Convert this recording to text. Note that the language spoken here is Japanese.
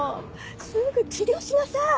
すぐ治療しなさい。